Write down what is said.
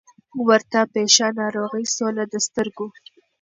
ورته پېښه ناروغي سوله د سترګو